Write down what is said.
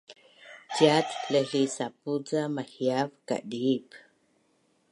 Ciat laihlihsapuz ca mahiav kadiip